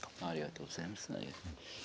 ありがとうございます。